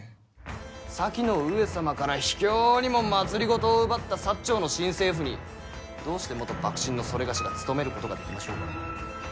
先の上様から卑怯にも政を奪った薩長の新政府にどうして元幕臣の某が勤めることができましょうか。